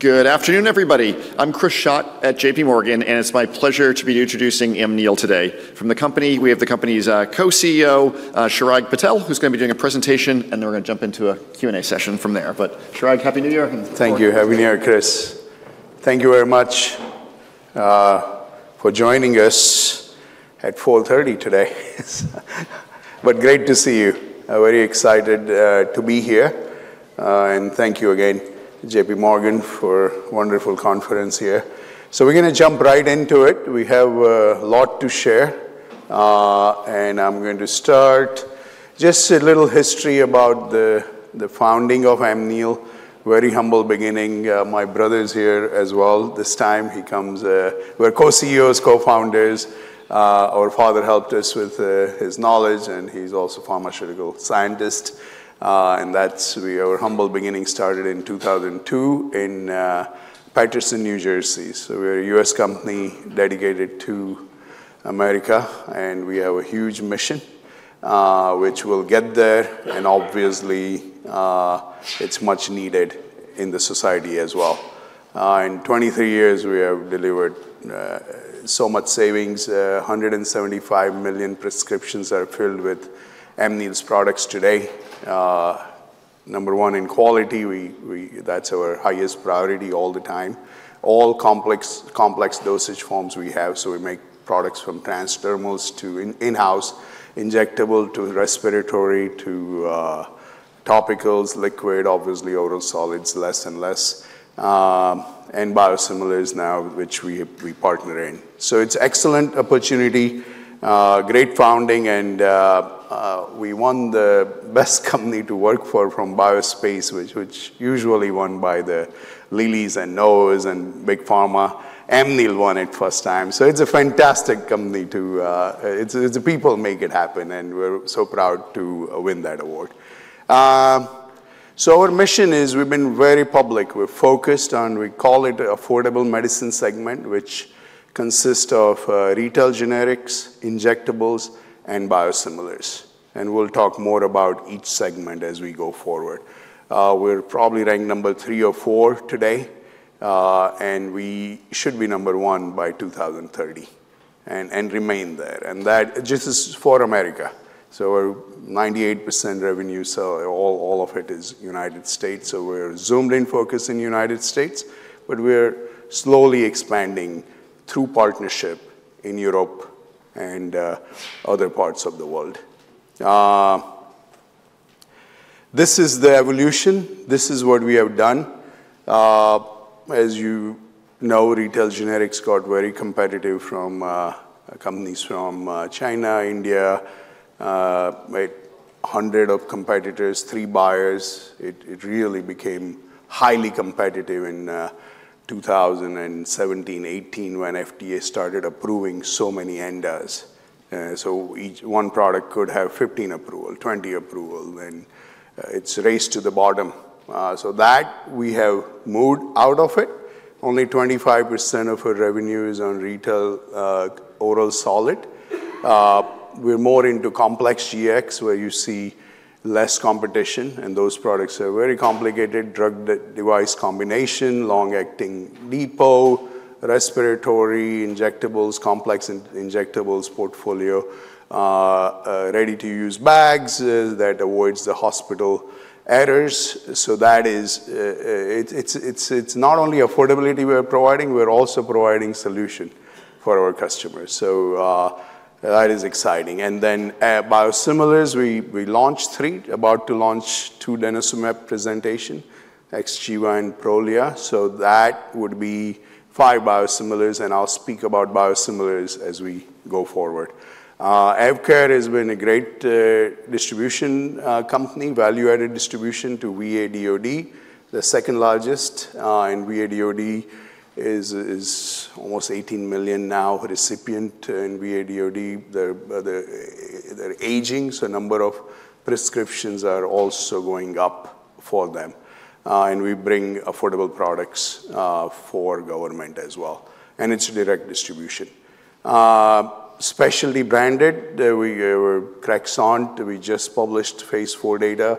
Good afternoon, everybody. I'm Chris Schott at J.P. Morgan, and it's my pleasure to be introducing Amneal today. From the company, we have the company's co-CEO, Chirag Patel, who's going to be doing a presentation, and then we're going to jump into a Q&A session from there. But Chirag, happy New Year. Thank you. Happy New Year, Chris. Thank you very much for joining us at 4:30 P.M. today, but great to see you. I'm very excited to be here, and thank you again, J.P. Morgan, for a wonderful conference here, so we're going to jump right into it. We have a lot to share, and I'm going to start just a little history about the founding of Amneal. Very humble beginning. My brother's here as well this time. We're co-CEOs, co-founders. Our father helped us with his knowledge, and he's also a pharmaceutical scientist. And that's where our humble beginning started in 2002 in Paterson, New Jersey, so we're a U.S. company dedicated to America, and we have a huge mission, which we'll get there, and obviously, it's much needed in the society as well. In 23 years, we have delivered so much savings. 175 million prescriptions are filled with Amneal's products today. Number one in quality. That's our highest priority all the time. All complex dosage forms we have, so we make products from transdermals to in-house injectables to respiratory to topicals, liquid, obviously oral solids, less and less. And biosimilars now, which we partner in. So it's an excellent opportunity, great footing. And we won the best company to work for from BioSpace, which usually won by the Lillys and Novos and big pharma. Amneal won it first time. So it's a fantastic company to. It's the people make it happen. And we're so proud to win that award. So our mission is. We've been very public. We're focused on we call it affordable medicine segment, which consists of retail generics, injectables, and biosimilars. And we'll talk more about each segment as we go forward. We're probably ranked number three or four today, and we should be number one by 2030 and remain there, and that just is for America, so we're 98% revenue, so all of it is United States, so we're zoomed in focus in the United States, but we're slowly expanding through partnership in Europe and other parts of the world. This is the evolution. This is what we have done. As you know, retail generics got very competitive from companies from China, India, a hundred of competitors, three buyers, it really became highly competitive in 2017, 2018, when FDA started approving so many NDAs, so each one product could have 15 approval, 20 approval, and it's raced to the bottom, so that we have moved out of it. Only 25% of our revenue is on retail oral solid. We're more into complex GX, where you see less competition. Those products are very complicated drug-device combination, long-acting depot, respiratory injectables, complex injectables portfolio, ready-to-use bags that avoids the hospital errors. So that is, it's not only affordability we're providing. We're also providing solution for our customers. So that is exciting. Then biosimilars, we launched three, about to launch two Denosumab presentation, Xgeva and Prolia. So that would be five biosimilars. I'll speak about biosimilars as we go forward. AvKare has been a great distribution company, value-added distribution to VA/DoD, the second largest. VA/DoD is almost 18 million now recipient in VA/DoD. They're aging. Number of prescriptions are also going up for them. We bring affordable products for government as well. It's direct distribution. Specialty branded, we were Crexont. We just published phase four data.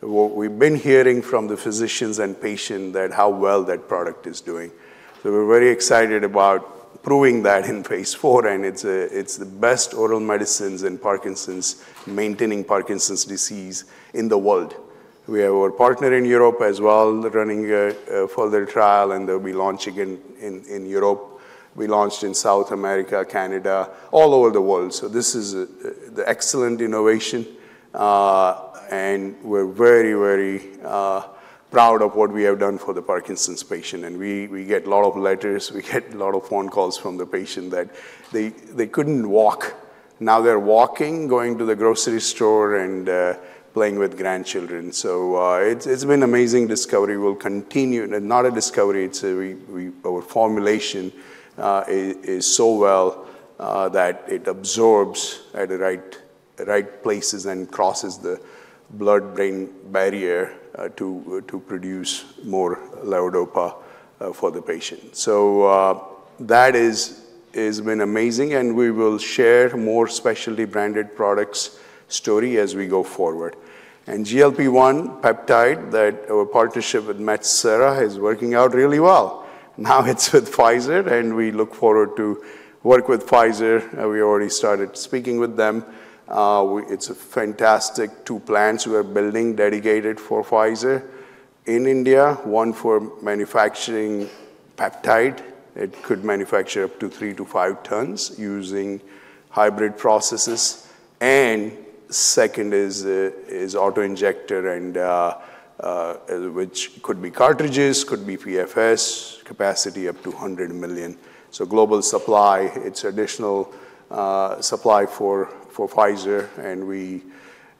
We've been hearing from the physicians and patients that how well that product is doing. So we're very excited about proving that in phase four, and it's the best oral medicines in Parkinson's maintaining Parkinson's disease in the world. We have our partner in Europe as well running a further trial, and they'll be launching in Europe. We launched in South America, Canada, all over the world, so this is the excellent innovation, and we're very, very proud of what we have done for the Parkinson's patient, and we get a lot of letters. We get a lot of phone calls from the patient that they couldn't walk. Now they're walking, going to the grocery store and playing with grandchildren, so it's been an amazing discovery. We'll continue. Not a discovery. It's our formulation is so well that it absorbs at the right places and crosses the blood-brain barrier to produce more Levodopa for the patient, so that has been amazing. And we will share more specialty branded products story as we go forward. And GLP-1 peptide that our partnership with Metsera is working out really well. Now it's with Pfizer. And we look forward to work with Pfizer. We already started speaking with them. It's a fantastic two plants we are building dedicated for Pfizer in India, one for manufacturing peptide. It could manufacture up to three to five tons using hybrid processes. And second is auto injector, which could be cartridges, could be PFS, capacity up to 100 million. So global supply. It's additional supply for Pfizer. And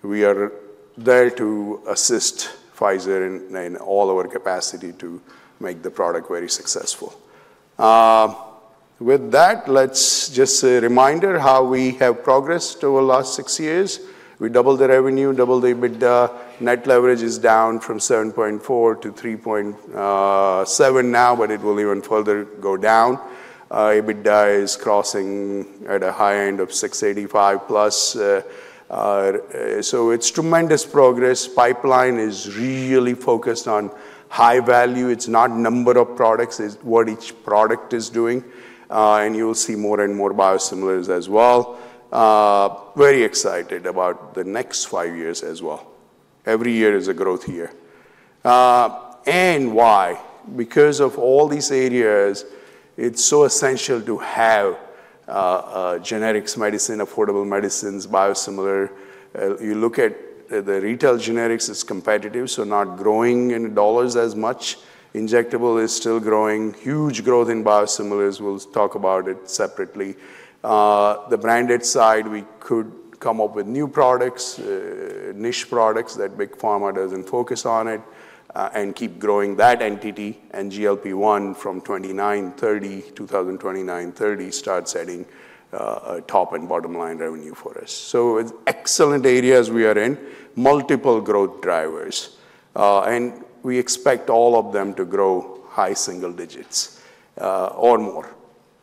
we are there to assist Pfizer in all our capacity to make the product very successful. With that, let's just say a reminder how we have progressed over the last six years. We doubled the revenue, doubled the EBITDA. Net leverage is down from 7.4 to 3.7 now, but it will even further go down. EBITDA is crossing at a high end of 685 plus, so it's tremendous progress. Pipeline is really focused on high value. It's not number of products. It's what each product is doing, and you'll see more and more biosimilars as well. Very excited about the next five years as well. Every year is a growth year, and why? Because of all these areas, it's so essential to have generics, medicine, affordable medicines, biosimilar. You look at the retail generics, it's competitive, so not growing in dollars as much. Injectable is still growing. Huge growth in biosimilars. We'll talk about it separately. The branded side, we could come up with new products, niche products that big pharma doesn't focus on it and keep growing that entity. And GLP-1 from 2029, 2030 starts adding top and bottom line revenue for us. So it's excellent areas we are in, multiple growth drivers. And we expect all of them to grow high single digits or more.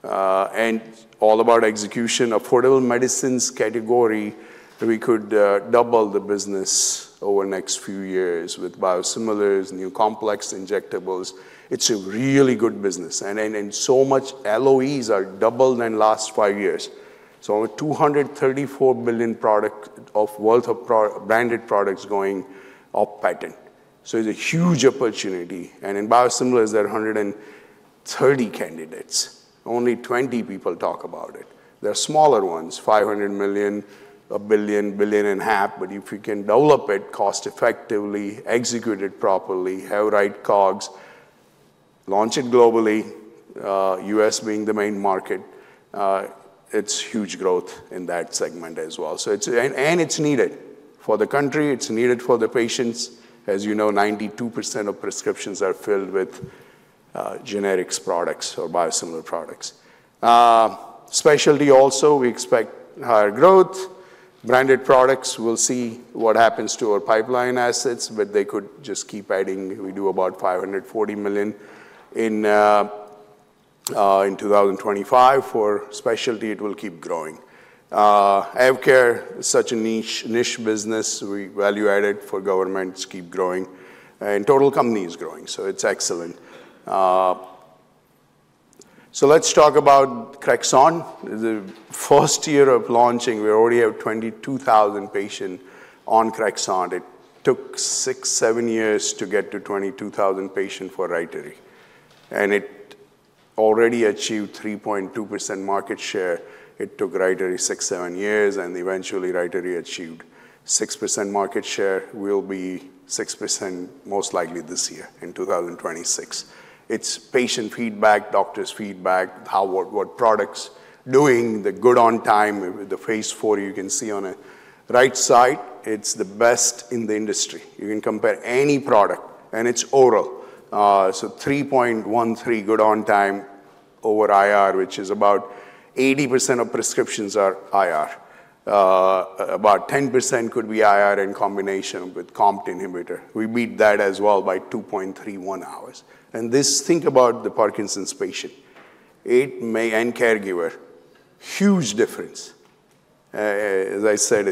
And it's all about execution. Affordable medicines category, we could double the business over the next few years with biosimilars, new complex injectables. It's a really good business. And so many LOEs have doubled in the last five years. So over $234 million worth of branded products going off patent. So it's a huge opportunity. And in biosimilars, there are 130 candidates. Only 20 people talk about it. There are smaller ones, $500 million, a billion, $1.5 billion. But if you can develop it cost-effectively, execute it properly, have right COGS, launch it globally, U.S. being the main market, it's huge growth in that segment as well. It's needed for the country. It's needed for the patients. As you know, 92% of prescriptions are filled with generic products or biosimilar products. Specialty also, we expect higher growth. Branded products, we'll see what happens to our pipeline assets. They could just keep adding. We do about $540 million in 2025. For specialty, it will keep growing. AvKare is such a niche business. It's value-added for government to keep growing. Total company is growing. It's excellent. Let's talk about Crexont. The first year of launching, we already have 22,000 patients on Crexont. It took six, seven years to get to 22,000 patients for Rytary. It already achieved 3.2% market share. It took Rytary six, seven years. Eventually, Rytary achieved 6% market share. We'll be 6% most likely this year in 2026. It's patient feedback, doctors' feedback, how the product's doing, the good on time. The phase four, you can see on the right side, it's the best in the industry. You can compare any product, and it's oral. So 3.13 good on time over IR, which is about 80% of prescriptions are IR. About 10% could be IR in combination with COMT inhibitor. We beat that as well by 2.31 hours. And think about the Parkinson's patient and caregiver, huge difference. As I said,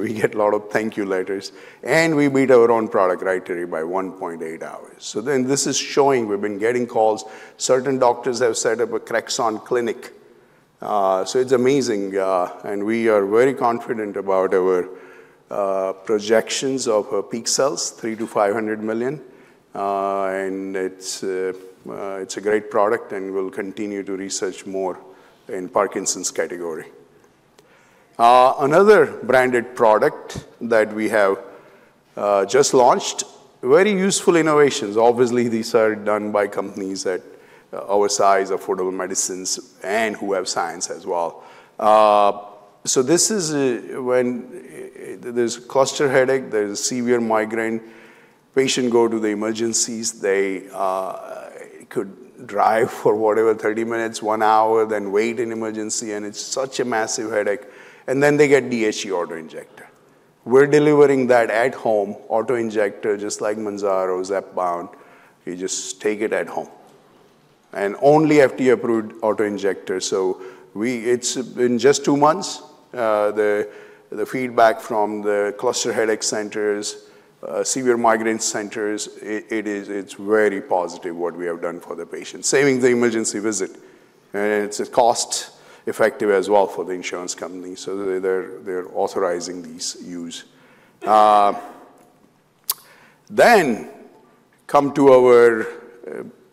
we get a lot of thank you letters. And we beat our own product, Rytary, by 1.8 hours. So then this is showing we've been getting calls. Certain doctors have set up a Crexont clinic. So it's amazing. And we are very confident about our projections of our peak sales, $300 million-$500 million. And it's a great product. We'll continue to research more in Parkinson's category. Another branded product that we have just launched, very useful innovations. Obviously, these are done by companies at our size, affordable medicines, and who have science as well. This is when there's a cluster headache. There's a severe migraine. Patients go to the emergencies. They could drive for whatever, 30 minutes, one hour, then wait in emergency. It's such a massive headache. Then they get DHE auto-injector. We're delivering that at home, auto-injector, just like Mounjaro, Zepbound. You just take it at home. Only FDA approved auto-injector. It's in just two months. The feedback from the cluster headache centers, severe migraine centers, it's very positive what we have done for the patient, saving the emergency visit. It's cost-effective as well for the insurance company. They're authorizing these use. Then come to our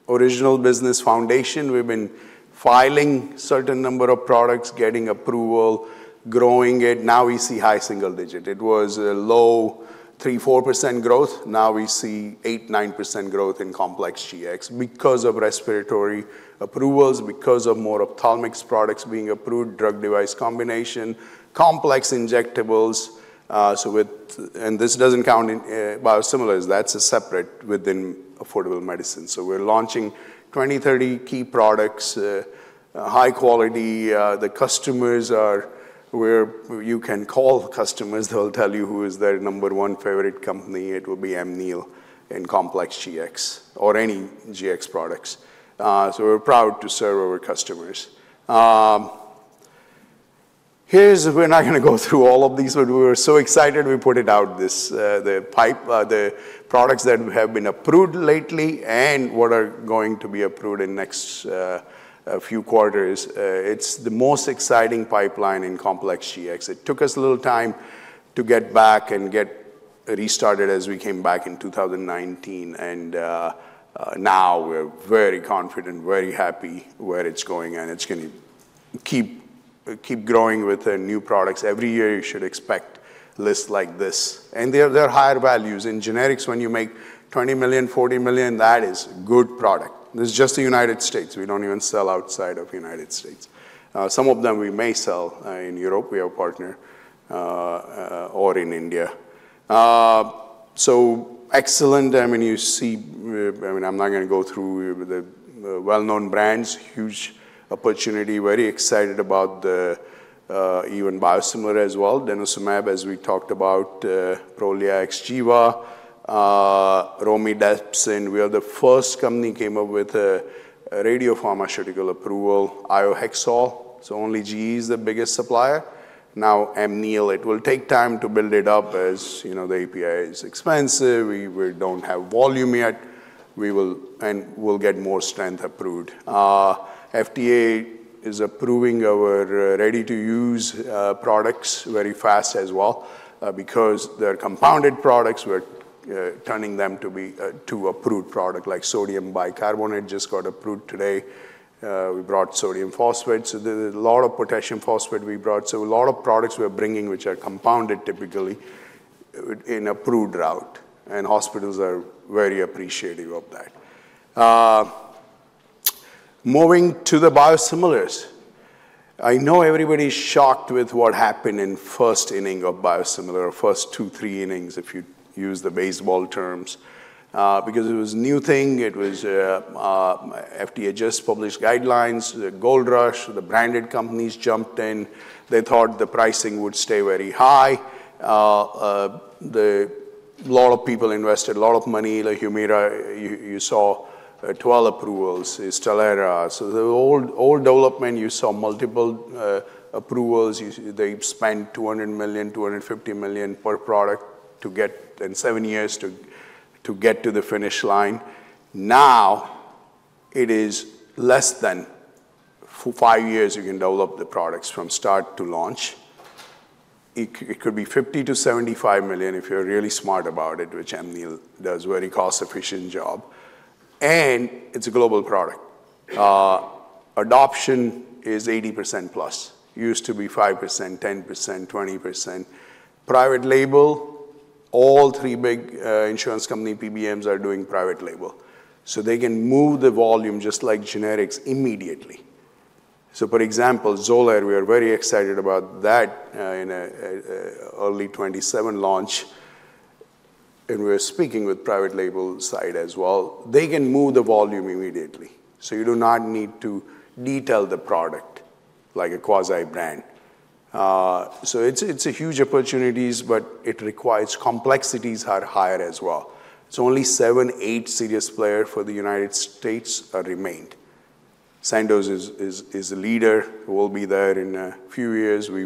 original business foundation. We've been filing certain number of products, getting approval, growing it. Now we see high single digit. It was a low 3-4% growth. Now we see 8-9% growth in complex GX because of respiratory approvals, because of more ophthalmics products being approved, drug-device combination, complex injectables. And this doesn't count in biosimilars. That's a separate within affordable medicine. So we're launching 20-30 key products, high quality. The customers are where you can call customers. They'll tell you who is their number one favorite company. It will be Amneal in complex GX or any GX products. So we're proud to serve our customers. Here, we're not going to go through all of these, but we were so excited. We put it out, the products that have been approved lately and what are going to be approved in the next few quarters. It's the most exciting pipeline in complex generics. It took us a little time to get back and get restarted as we came back in 2019. And now we're very confident, very happy where it's going. And it's going to keep growing with new products. Every year, you should expect lists like this. And there are higher values. In generics, when you make $20 million, $40 million, that is good product. This is just the United States. We don't even sell outside of the United States. Some of them we may sell in Europe. We have a partner or in India. So excellent. I mean, you see, I mean, I'm not going to go through the well-known brands, huge opportunity, very excited about even biosimilar as well. Denosumab, as we talked about, Prolia, Xgeva, Romidepsin. We are the first company that came up with a radio pharmaceutical approval, Iohexol. So only GE is the biggest supplier. Now, Amneal. It will take time to build it up as the API is expensive. We don't have volume yet. And we'll get more strength approved. FDA is approving our ready-to-use products very fast as well because they're compounded products. We're turning them to approved product like sodium bicarbonate just got approved today. We brought sodium phosphate. So there's a lot of potassium phosphate we brought. So a lot of products we're bringing which are compounded typically in approved route. And hospitals are very appreciative of that. Moving to the biosimilars. I know everybody's shocked with what happened in first inning of biosimilar or first two, three innings if you use the baseball terms because it was a new thing. FDA just published guidelines, the gold rush. The branded companies jumped in. They thought the pricing would stay very high. A lot of people invested a lot of money. Like Humira, you saw 12 approvals. Stelara. The whole development, you saw multiple approvals. They spent $200 million-$250 million per product to get in seven years to get to the finish line. Now it is less than five years you can develop the products from start to launch. It could be $50-$75 million if you're really smart about it, which Amneal does a very cost-efficient job. It is a global product. Adoption is 80%+. Used to be 5%, 10%, 20%. Private label, all three big insurance companies, PBMs are doing private label. They can move the volume just like generics immediately. For example, Xolair, we are very excited about that in an early 2027 launch. We are speaking with private label side as well. They can move the volume immediately. So you do not need to detail the product like a quasi-brand. So it's a huge opportunities, but it requires complexities are higher as well. So only seven, eight serious players for the United States remained. Sandoz is a leader. We'll be there in a few years. We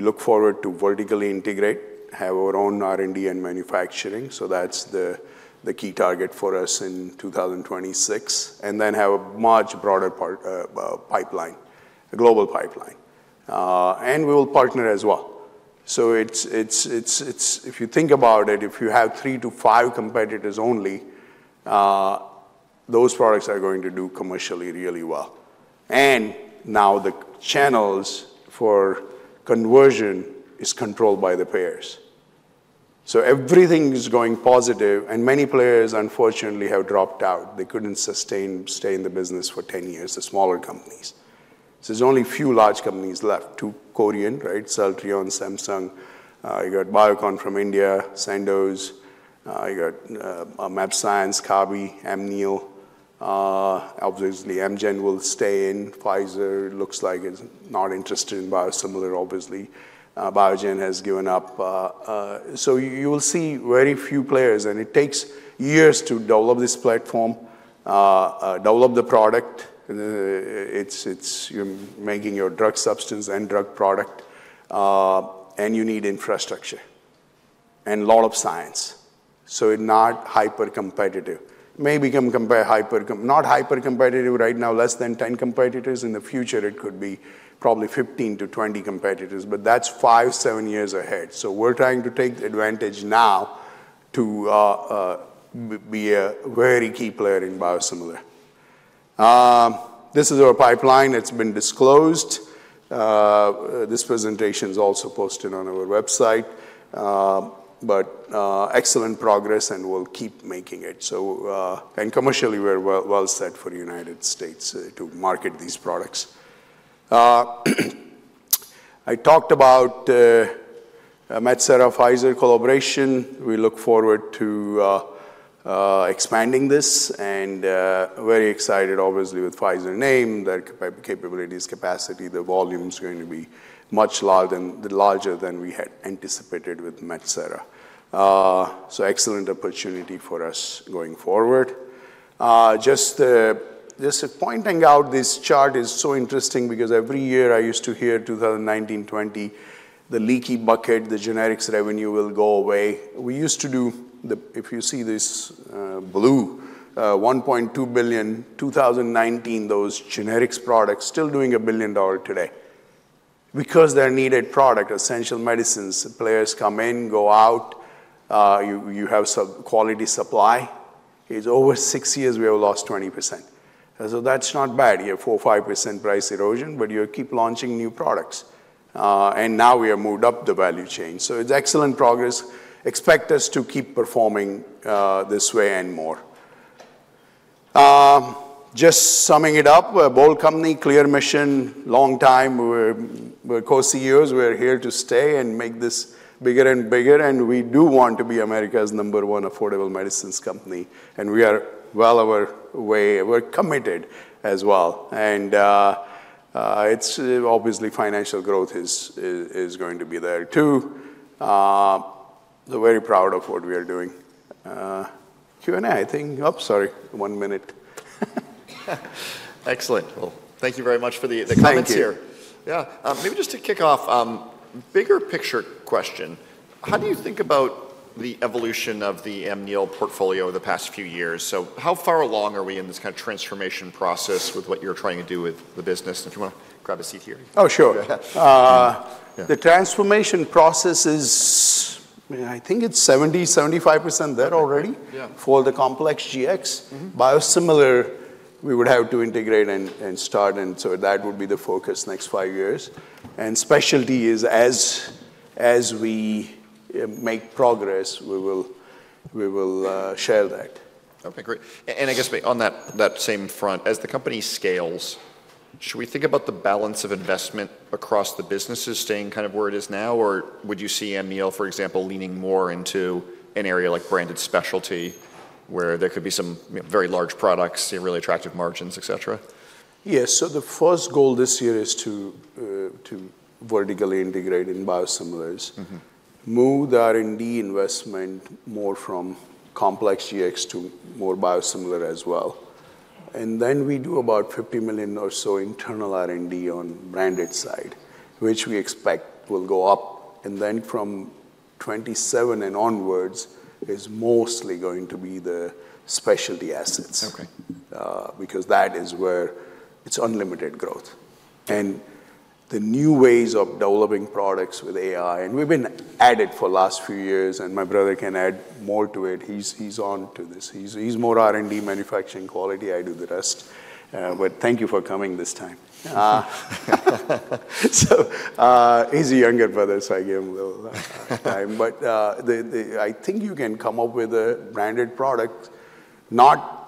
look forward to vertically integrate, have our own R&D and manufacturing. So that's the key target for us in 2026. And then have a much broader pipeline, a global pipeline. And we will partner as well. So if you think about it, if you have three to five competitors only, those products are going to do commercially really well. And now the channels for conversion is controlled by the payers. So everything is going positive. And many players, unfortunately, have dropped out. They couldn't sustain, stay in the business for 10 years, the smaller companies. So there's only a few large companies left. Two Korean, right? Celltrion, Samsung. You got Biocon from India, Sandoz. You got mAbxience, Kabi, Amneal. Obviously, Amgen will stay in. Pfizer looks like it's not interested in biosimilar, obviously. Biogen has given up. So you will see very few players. And it takes years to develop this platform, develop the product. You're making your drug substance and drug product. And you need infrastructure and a lot of science. So not hyper-competitive. Maybe you can compare hyper not hyper-competitive right now, less than 10 competitors. In the future, it could be probably 15-20 competitors. But that's five, seven years ahead. So we're trying to take advantage now to be a very key player in biosimilar. This is our pipeline. It's been disclosed. This presentation is also posted on our website. But excellent progress. And we'll keep making it. Commercially, we're well set for the United States to market these products. I talked about Metsera-Pfizer collaboration. We look forward to expanding this and very excited, obviously, with Pfizer name, their capabilities, capacity. The volume's going to be much larger than we had anticipated with Metsera. Excellent opportunity for us going forward. Just pointing out this chart is so interesting because every year I used to hear 2019, 2020, the leaky bucket, the generics revenue will go away. We used to do the if you see this blue, $1.2 billion, 2019, those generics products still doing $1 billion today because they're needed product, essential medicines. Players come in, go out. You have quality supply. It's over six years we have lost 20%. That's not bad. You have 4-5% price erosion. But you keep launching new products. Now we have moved up the value chain. So it's excellent progress. Expect us to keep performing this way and more. Just summing it up, we're a bold company, clear mission, long time. We're co-CEOs. We're here to stay and make this bigger and bigger. And we do want to be America's number one affordable medicines company. And we are well on our way. We're committed as well. And obviously, financial growth is going to be there too. We're very proud of what we are doing. Q&A, I think. Oh, sorry. One minute. Excellent. Well, thank you very much for the comments here. Thanks. Yeah. Maybe just to kick off, bigger picture question. How do you think about the evolution of the Amneal portfolio over the past few years? So how far along are we in this kind of transformation process with what you're trying to do with the business? And if you want to grab a seat here. Oh, sure. The transformation process is, I think it's 70%-75% there already for the complex GX. Biosimilar, we would have to integrate and start. And so that would be the focus next five years. And specialty is as we make progress, we will share that. Okay. Great. And I guess on that same front, as the company scales, should we think about the balance of investment across the businesses staying kind of where it is now? Or would you see Amneal, for example, leaning more into an area like branded specialty where there could be some very large products, really attractive margins, etc.? Yes. So the first goal this year is to vertically integrate in biosimilars, move the R&D investment more from complex GX to more biosimilar as well, and then we do about $50 million or so internal R&D on branded side, which we expect will go up. And then from 2027 and onwards is mostly going to be the specialty assets because that is where it's unlimited growth, and the new ways of developing products with AI, and we've been added for the last few years. And my brother can add more to it. He's on to this. He's more R&D manufacturing quality. I do the rest, but thank you for coming this time, so he's a younger brother, so I gave him a little time. But I think you can come up with a branded product, not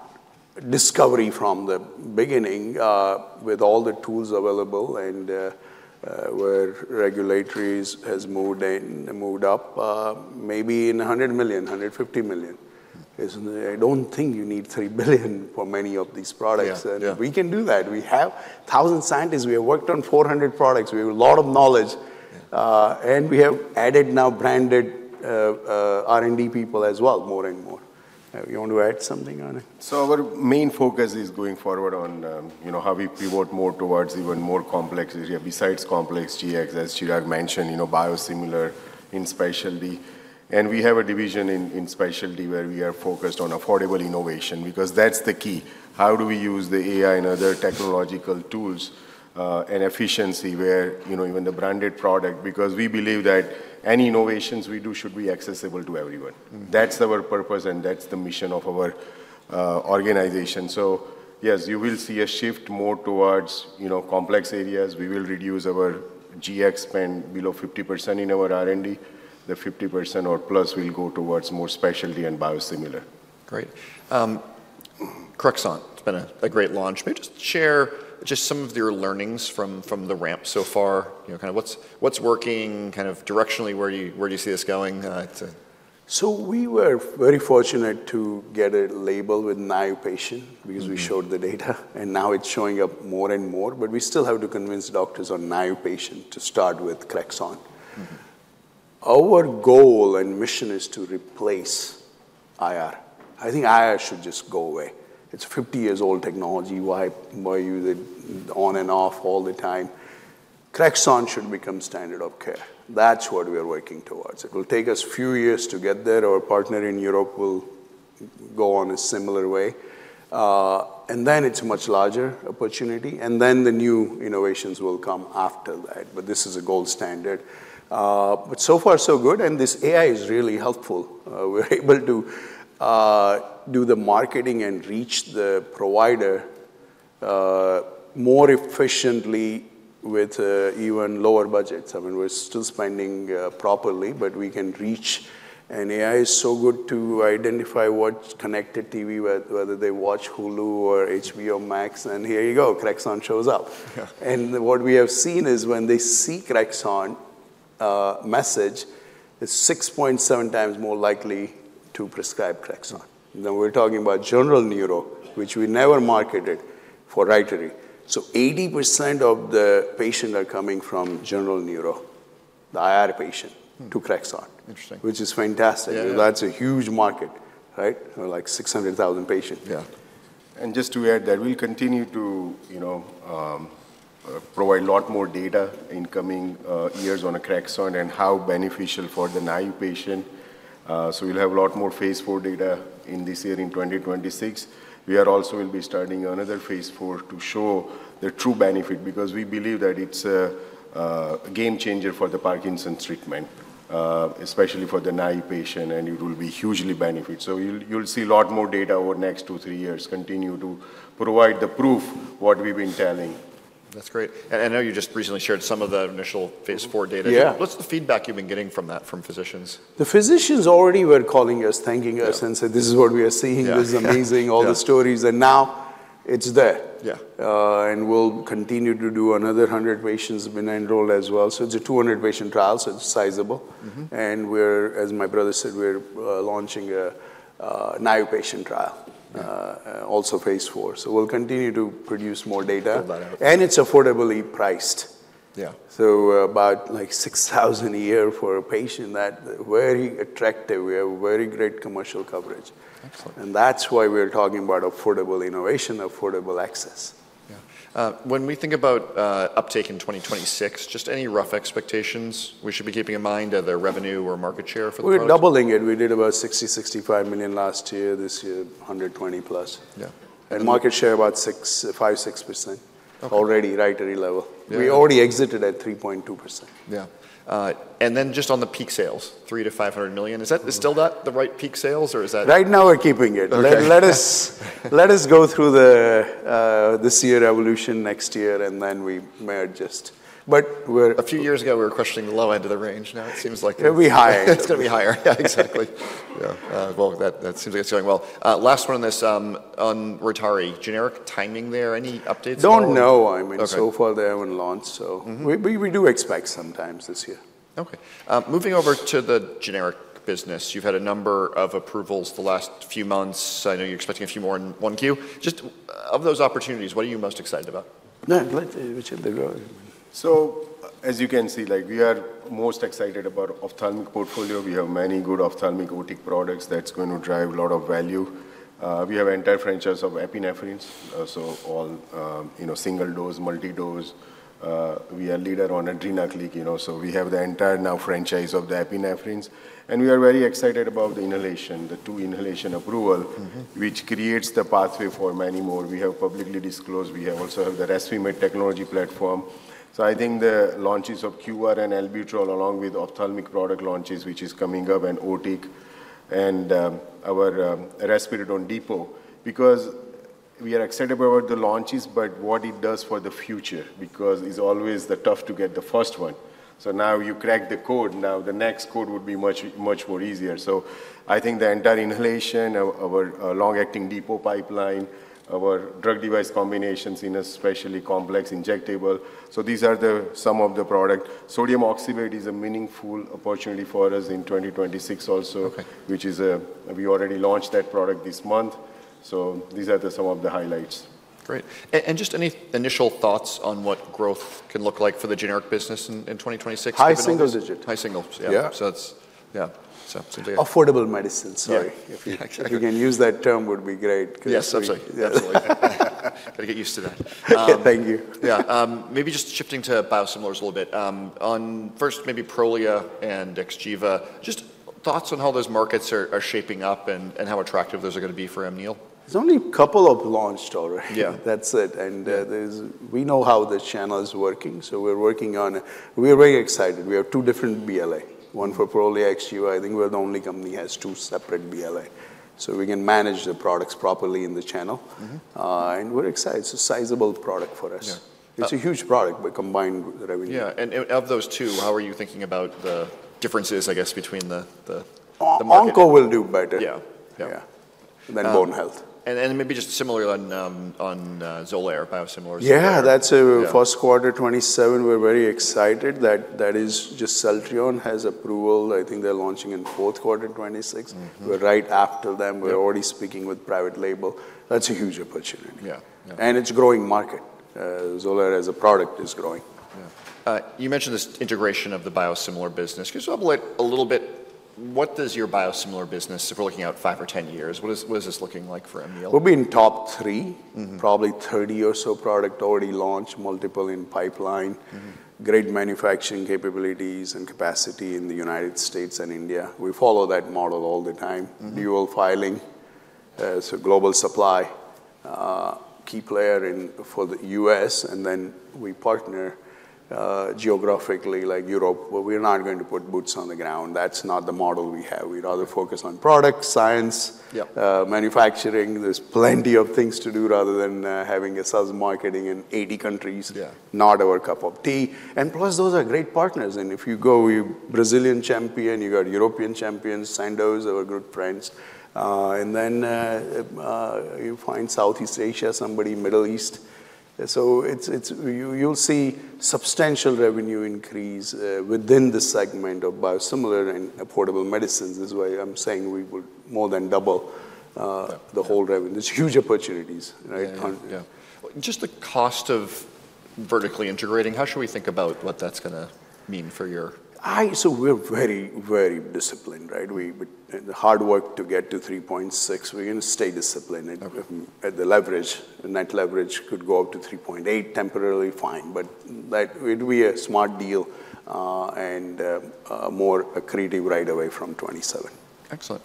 discovery from the beginning with all the tools available and where regulatory has moved in and moved up, maybe in $100 million-$150 million. I don't think you need $3 billion for many of these products. And we can do that. We have 1,000 scientists. We have worked on 400 products. We have a lot of knowledge. And we have added now branded R&D people as well, more and more. You want to add something on it? Our main focus is going forward on how we pivot more towards even more complex area besides complex GX, as Chirag mentioned, biosimilar in specialty. We have a division in specialty where we are focused on affordable innovation because that's the key. How do we use the AI and other technological tools and efficiency where even the branded product because we believe that any innovations we do should be accessible to everyone. That's our purpose. That's the mission of our organization. Yes, you will see a shift more towards complex areas. We will reduce our GX spend below 50% in our R&D. The 50% or plus will go towards more specialty and biosimilar. Great. Crexont, it's been a great launch. Maybe just share some of your learnings from the ramp so far. Kind of what's working kind of directionally? Where do you see this going? We were very fortunate to get a label with naïve patient because we showed the data. Now it's showing up more and more. We still have to convince doctors on naïve patient to start with Crexont. Our goal and mission is to replace IR.I think IR should just go away. It's a 50-year-old technology. Why use it on and off all the time? Crexont should become standard of care. That's what we are working towards. It will take us a few years to get there. Our partner in Europe will go on a similar way. Then it's a much larger opportunity. Then the new innovations will come after that. This is a gold standard. So far, so good. This AI is really helpful. We're able to do the marketing and reach the provider more efficiently with even lower budgets. I mean, we're still spending properly but we can reach, and AI is so good to identify what's connected TV, whether they watch Hulu or HBO Max. And here you go, Crexont shows up. And what we have seen is when they see Crexont message, it's 6.7x more likely to prescribe Crexont. Now we're talking about General Neuro, which we never marketed for Rytary. So 80% of the patients are coming from General Neuro, the IR patient, to Crexont, which is fantastic. That's a huge market, right? Like 600,000 patients. Yeah. And just to add that, we'll continue to provide a lot more data in coming years on Crexont and how beneficial for the naïve patient. So we'll have a lot more phase four data in this year in 2026. We also will be starting another phase four to show the true benefit because we believe that it's a game changer for the Parkinson's treatment, especially for the naïve patient. And it will be hugely beneficial. So you'll see a lot more data over the next two, three years. Continue to provide the proof of what we've been telling. That's great, and I know you just recently shared some of the initial phase 4 data. What's the feedback you've been getting from that from physicians? The physicians already were calling us, thanking us, and said, "This is what we are seeing. This is amazing, all the stories." And now it's there. And we'll continue to do another 100 patients have been enrolled as well. So it's a 200-patient trial. So it's sizable. And we're, as my brother said, we're launching a naïve patient trial, also phase 4. So we'll continue to produce more data. And it's affordably priced. So about like $6,000 a year for a patient. That's very attractive. We have very great commercial coverage. And that's why we're talking about affordable innovation, affordable access. Yeah. When we think about uptake in 2026, just any rough expectations we should be keeping in mind of their revenue or market share for the product? We're doubling it. We did about $60-$65 million last year. This year, $120 million plus, and market share about 5-6% already at Rytary level. We already exited at 3.2%. Yeah. And then just on the peak sales, $3 million-$500 million, is that still not the right peak sales, or is that? Right now, we're keeping it. Let us go through the CEO evolution next year, and then we may adjust, but we're. A few years ago, we were questioning the low end of the range. Now it seems like it'll be high. It's going to be higher. Yeah, exactly. Yeah. Well, that seems like it's going well. Last one on this, on Rytary, generic timing there, any updates? Don't know. I mean, so far they haven't launched. So we do expect sometimes this year. Okay. Moving over to the generic business. You've had a number of approvals the last few months. I know you're expecting a few more in Q1. Just out of those opportunities, what are you most excited about? As you can see, we are most excited about the ophthalmic portfolio. We have many good ophthalmic otic products that's going to drive a lot of value. We have the entire franchise of epinephrines, so all single dose, multi-dose. We are the leader on Adrenaclick. So we have the entire now franchise of the epinephrines. And we are very excited about the inhalation, the two inhalation approval, which creates the pathway for many more. We have publicly disclosed. We also have the ResVMed technology platform. So I think the launches of QVAR and Albuterol, along with ophthalmic product launches, which is coming up, and otic, and our respiratory depot, because we are excited about the launches, but what it does for the future, because it's always tough to get the first one. So now you crack the code. Now the next code would be much more easier. I think the entire inhalation, our long-acting depot pipeline, our drug device combinations and a specialty complex injectable. These are some of the products. Sodium oxybate is a meaningful opportunity for us in 2026 also, which we already launched that product this month. These are some of the highlights. Great, and just any initial thoughts on what growth can look like for the generic business in 2026? High single digit. High single. Yeah. So that's, yeah. Affordable medicines. Sorry. If you can use that term, it would be great. Yes, absolutely. Got to get used to that. Thank you. Yeah. Maybe just shifting to biosimilars a little bit. On first, maybe Prolia and Xgeva. Just thoughts on how those markets are shaping up and how attractive those are going to be for Amneal? There's only a couple of launched already. That's it. And we know how the channel is working. So we're working on it. We're very excited. We have two different BLA, one for Prolia, Xgeva. I think we're the only company that has two separate BLA. So we can manage the products properly in the channel. And we're excited. It's a sizable product for us. It's a huge product by combined revenue. Yeah. And of those two, how are you thinking about the differences, I guess, between the markets? Onco will do better than Bone Health. Maybe just similar on Xolair, biosimilars. Yeah. That's a first quarter 2027. We're very excited. That is just Celltrion has approval. I think they're launching in fourth quarter 2026. We're right after them. We're already speaking with private label. That's a huge opportunity. And it's a growing market. Xolair as a product is growing. You mentioned this integration of the biosimilar business. Could you talk a little bit? What does your biosimilar business, if we're looking out five or 10 years, what is this looking like for Amneal? We'll be in top three. Probably 30 or so products already launched, multiple in pipeline, great manufacturing capabilities and capacity in the United States and India. We follow that model all the time. Dual filing, so global supply, key player for the U.S. And then we partner geographically like Europe. But we're not going to put boots on the ground. That's not the model we have. We'd rather focus on product, science, manufacturing. There's plenty of things to do rather than having a sales marketing in 80 countries, not our cup of tea. And plus, those are great partners. And if you go, Brazilian champion, you got European champions, Sandoz, our good friends. And then you find Southeast Asia, somebody Middle East. So you'll see substantial revenue increase within the segment of biosimilar and affordable medicines. This is why I'm saying we would more than double the whole revenue. There's huge opportunities, right? Yeah. Just the cost of vertically integrating, how should we think about what that's going to mean for your? So we're very, very disciplined, right? The hard work to get to 3.6. We're going to stay disciplined. And the leverage, net leverage could go up to 3.8 temporarily, fine. But it would be a smart deal and a more creative right away from 2027. Excellent.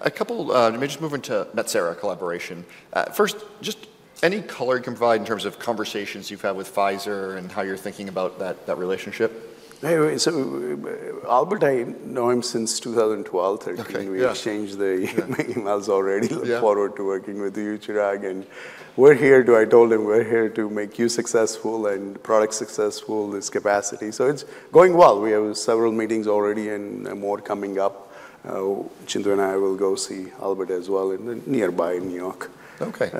A couple maybe just move into Metsera collaboration. First, just any color you can provide in terms of conversations you've had with Pfizer and how you're thinking about that relationship? Albert, I know him since 2012, 2013. We exchanged the emails already. Look forward to working with you, Chirag. And we're here to, I told him, we're here to make you successful and product successful, this capacity. So it's going well. We have several meetings already and more coming up. Chintu and I will go see Albert as well nearby in New York. Okay.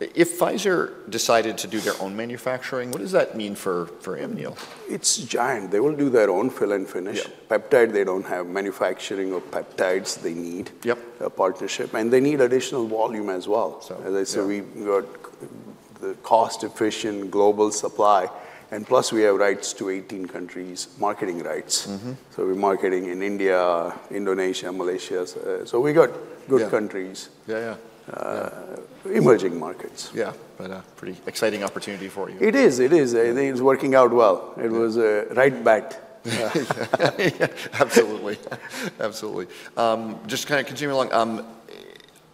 If Pfizer decided to do their own manufacturing, what does that mean for Amneal? It's giant. They will do their own fill and finish. Peptide, they don't have manufacturing of peptides. They need a partnership, and they need additional volume as well. As I said, we've got the cost-efficient global supply, and plus, we have rights to 18 countries, marketing rights, so we're marketing in India, Indonesia, Malaysia, so we got good countries, emerging markets. Yeah, but a pretty exciting opportunity for you. It is. It is. I think it's working out well. It was a right bet. Absolutely. Absolutely. Just kind of continuing along.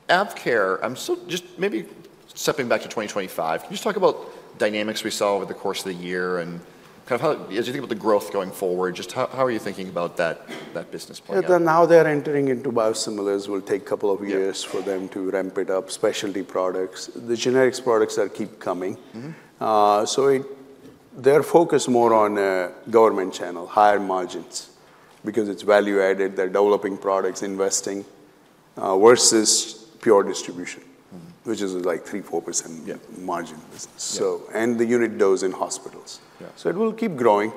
AvKare, I'm just maybe stepping back to 2025. Can you just talk about dynamics we saw over the course of the year and kind of how, as you think about the growth going forward, just how are you thinking about that business plan? Now they're entering into biosimilars. It will take a couple of years for them to ramp it up, specialty products. The generics products keep coming so they're focused more on a government channel, higher margins because it's value-added. They're developing products, investing versus pure distribution, which is like 3%-4% margin business and the unit dose in hospitals so it will keep growing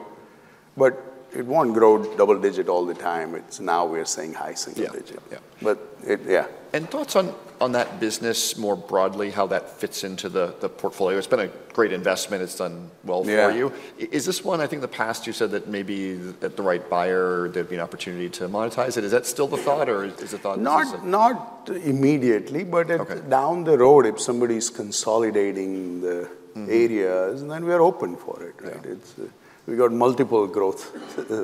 but it won't grow double-digit all the time. Now we're saying high single digit but yeah. Thoughts on that business more broadly, how that fits into the portfolio? It's been a great investment. It's done well for you. Is this one, I think in the past, you said that maybe at the right buyer, there'd be an opportunity to monetize it. Is that still the thought, or is the thought? Not immediately. But down the road, if somebody's consolidating the areas, then we're open for it. We've got multiple growth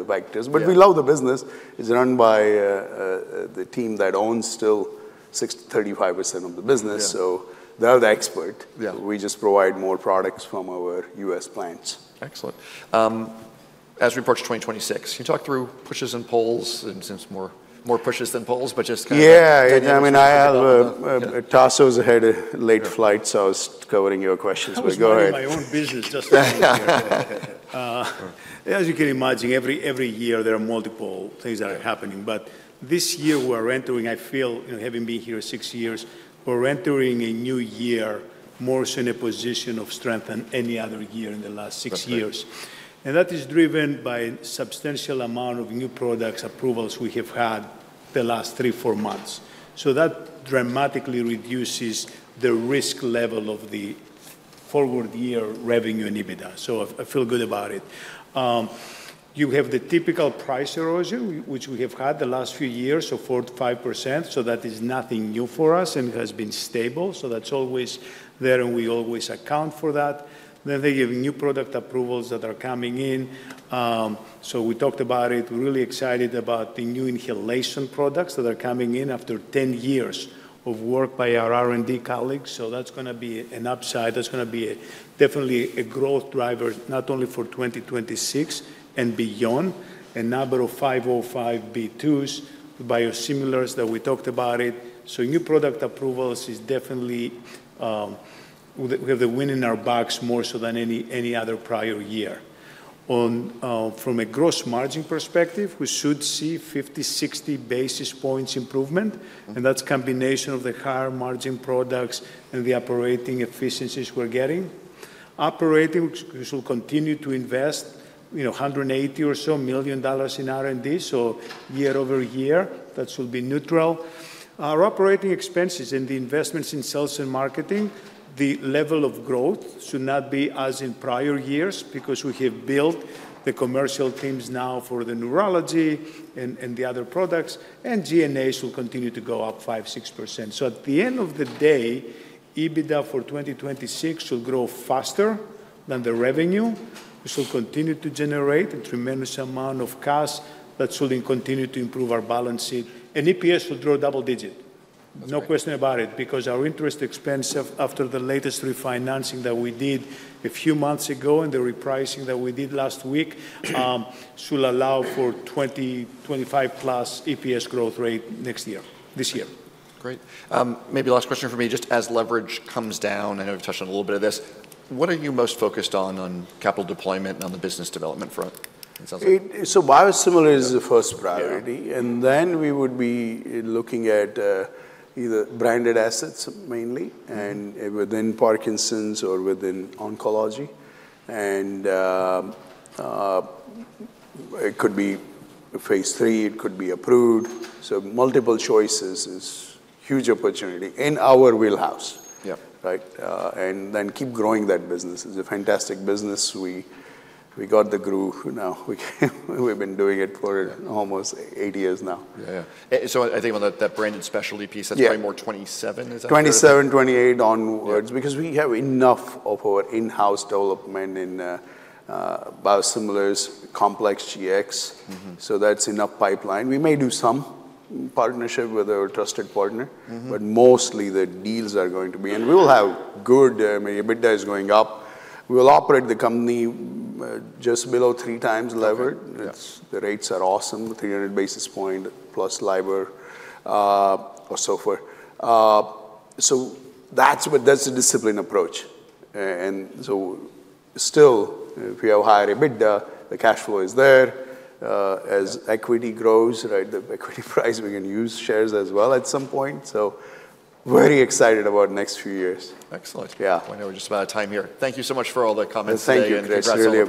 factors. But we love the business. It's run by the team that owns still 35% of the business. So they're the expert. We just provide more products from our U.S. plants. Excellent. As we approach 2026, can you talk through pushes and pulls? It seems more pushes than pulls, but just kind of. Yeah. I mean, I have Tassos ahead, late flight. So I was covering your questions. But go ahead. I'm in my own business. Just as you can imagine, every year there are multiple things that are happening. But this year we're entering, I feel, having been here six years, we're entering a new year more so in a position of strength than any other year in the last six years. And that is driven by a substantial amount of new products approvals we have had the last three, four months. So that dramatically reduces the risk level of the forward year revenue in EBITDA. So I feel good about it. You have the typical price erosion, which we have had the last few years, so 4%-5%. So that is nothing new for us and has been stable. So that's always there, and we always account for that. Then they give new product approvals that are coming in. So we talked about it. We're really excited about the new inhalation products that are coming in after 10 years of work by our R&D colleagues. So that's going to be an upside. That's going to be definitely a growth driver, not only for 2026 and beyond. A number of 505(b)(2)s, biosimilars that we talked about. So new product approvals is definitely we have the win in our box more so than any other prior year. From a gross margin perspective, we should see 50-60 basis points improvement. And that's a combination of the higher margin products and the operating efficiencies we're getting. Operating, we shall continue to invest $180 million or so in R&D. So year over year, that shall be neutral. Our operating expenses and the investments in sales and marketing, the level of growth should not be as in prior years because we have built the commercial teams now for the neurology and the other products. SG&A shall continue to go up 5%-6%. At the end of the day, EBITDA for 2026 shall grow faster than the revenue. We shall continue to generate a tremendous amount of cash that shall continue to improve our balance sheet. EPS will grow double-digit. No question about it because our interest expense after the latest refinancing that we did a few months ago and the repricing that we did last week shall allow for 20%-25%+ EPS growth rate next year, this year. Great. Maybe last question for me. Just as leverage comes down, I know we've touched on a little bit of this. What are you most focused on capital deployment and on the business development front? Biosimilars is the first priority. And then we would be looking at either branded assets mainly and within Parkinson's or within oncology. And it could be phase three. It could be approved. So multiple choices is a huge opportunity in our wheelhouse. And then keep growing that business. It's a fantastic business. We got the groove. We've been doing it for almost eight years now. Yeah. So I think that branded specialty piece, that's probably more 2027, is that right? 2027, 2028 onwards because we have enough of our in-house development in biosimilars, complex GX. So that's enough pipeline. We may do some partnership with our trusted partner. But mostly the deals are going to be, and we will have good EBITDA is going up. We will operate the company just below three times levered. The rates are awesome, 300 basis point plus LIBOR or so forth. So that's the discipline approach. And so still, if we have higher EBITDA, the cash flow is there. As equity grows, the equity price, we can use shares as well at some point. So very excited about next few years. Excellent. We know we're just about out of time here. Thank you so much for all the comments. Thank you. Congratulations.